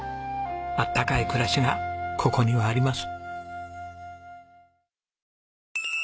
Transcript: あったかい暮らしがここにはあります。